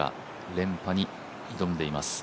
連覇に挑んでいます。